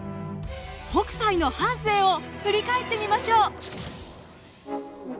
北斎の半生を振り返ってみましょう。